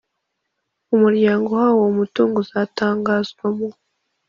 Umuryango uhawe uwo mutungo uzatangazwa mu